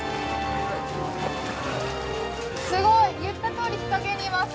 すごい言ったとおり日陰にいます。